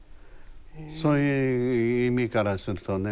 そういう意味からするとね。